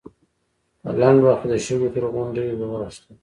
په لنډ وخت کې د شګو تر غونډۍ واوښتل.